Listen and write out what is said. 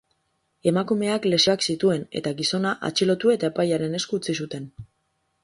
Emakumeak lesioak zituen, eta gizona atxilotu eta epailearen esku utzi zuten.